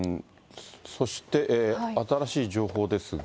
そして新しい情報ですが。